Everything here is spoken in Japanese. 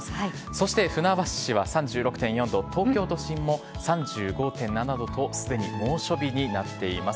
そして船橋市は３６．４度、東京都心も３５．７度と、すでに猛暑日になっています。